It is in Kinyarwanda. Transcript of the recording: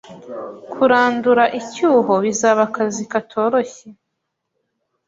Kurandura icyuho bizaba akazi katoroshye.